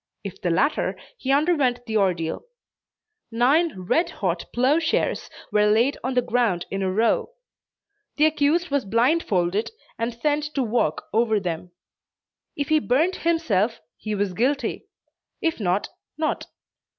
If the latter, he underwent the ordeal. Nine red hot ploughshares were laid on the ground in a row. The accused was blindfolded, and sent to walk over them. If he burnt himself he was guilty; if not, not.